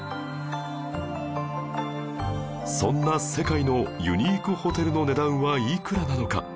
そんな世界のユニークホテルの値段はいくらなのか？